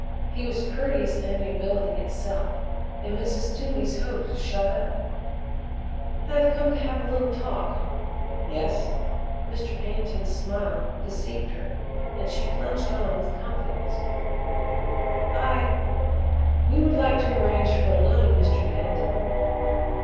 He was courteous amiability itself, and Mrs. Toomey's hopes shot up. "I came to have a little talk." "Yes?" Mr. Pantin's smile deceived her and she plunged on with confidence: "I we would like to arrange for a loan, Mr. Pantin."